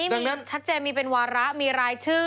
มีชัดเจนมีเป็นวาระมีรายชื่อ